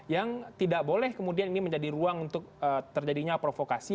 yang tidak boleh kemudian ini menjadi ruang untuk terjadinya provokasi